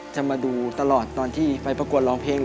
จะมาดูตลอดตอนที่ไปประกวดร้องเพลง